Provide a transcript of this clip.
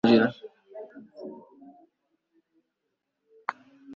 bafite aho basohokera no kwinjira